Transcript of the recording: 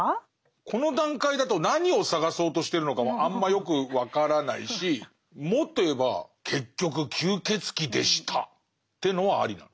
この段階だと何を探そうとしてるのかもあんまよく分からないしもっと言えば結局吸血鬼でしたっていうのはありなの？